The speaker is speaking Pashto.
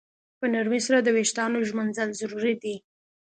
په نرمۍ سره د ویښتانو ږمنځول ضروري دي.